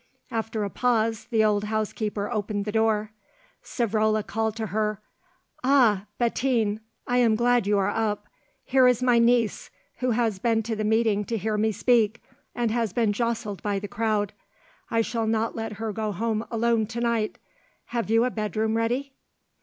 After a pause the old housekeeper opened the door. Savrola called to her. "Ah, Bettine, I am glad you are up. Here is my niece, who has been to the meeting to hear me speak and has been jostled by the crowd. I shall not let her go home alone to night. Have you a bedroom ready?"